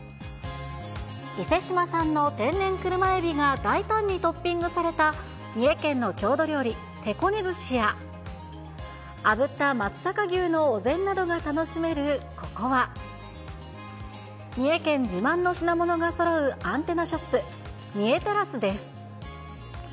伊勢志摩産の天然車エビが大胆にトッピングされた、三重県の郷土料理、てこね寿しや、あぶった松阪牛のお膳などが楽しめるここは、三重県自慢の品物がそろうアンテナショップ、三重テラスです。